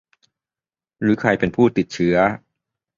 หรือใครเป็นผู้ติดเชื้อ